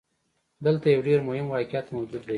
دلته يو ډېر مهم واقعيت موجود دی.